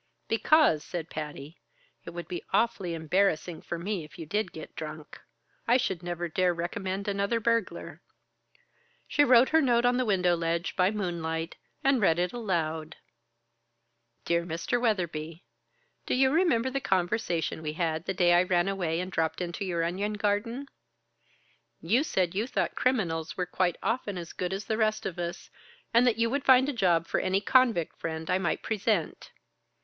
"Because," said Patty, "it would be awfully embarrassing for me if you did get drunk. I should never dare recommend another burglar." She wrote her note on the window ledge, by moonlight, and read it aloud: "Dear Mr. Weatherby, "Do you remember the conversation we had the day I ran away and dropped into your onion garden? You said you thought criminals were often quite as good as the rest of us, and that you would find a job for any convict friend I might present.